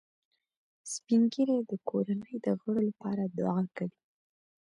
سپین ږیری د کورنۍ د غړو لپاره دعا کوي